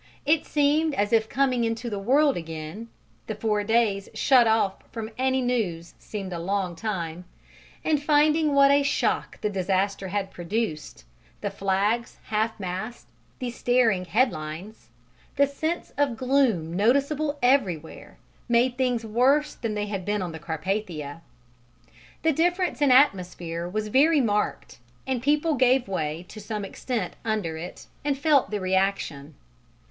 It seemed as if coming into the world again the four days shut off from any news seemed a long time and finding what a shock the disaster had produced, the flags half mast, the staring head lines, the sense of gloom noticeable everywhere, made things worse than they had been on the Carpathia. The difference in "atmosphere" was very marked, and people gave way to some extent under it and felt the reaction.